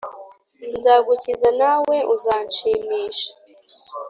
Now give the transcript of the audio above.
, Nzagukiza nawe uzanshimisha.